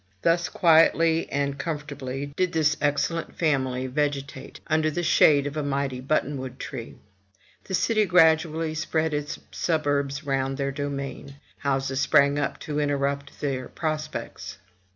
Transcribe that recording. Thus quietly and comfortably did this excellent family vege 107 MY BOOK HOUSE tate under the shade of a mighty button wood tree. The city gradually spread its suburbs round their domain. Houses sprang up to interrupt their prospects.